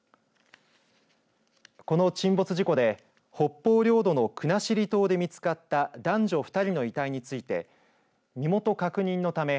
この沈没事故で北方領土の国後島で見つかった男女２人の遺体について身元確認のため